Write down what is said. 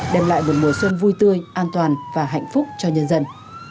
đem lại một mùa xuân vui tươi an toàn và hạnh phúc cho nhân dân